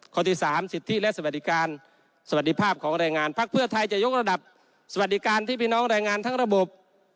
ข้อที่๓สิทธิและสวัสดิการสวัสดีภาพของแรงงานพักเพื่อไทยจะยกระดับสวัสดิการที่พี่น้องแรงงานทั้งระบบ